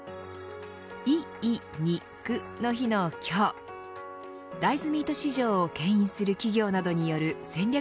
イイニクの日の今日大豆ミート市場をけん引する企業などによる戦略